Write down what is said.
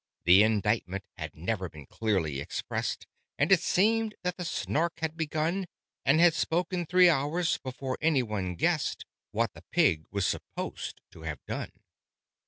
The indictment had never been clearly expressed, And it seemed that the Snark had begun, And had spoken three hours, before any one guessed What the pig was supposed to have done.